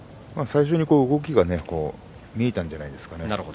最初に動きが見えたんじゃないですか。